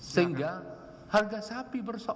sehingga harga sapi bersok